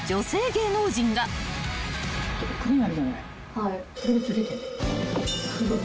・はい。